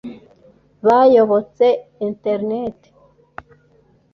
bayobotse internet